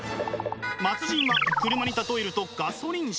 末人は車に例えるとガソリン車。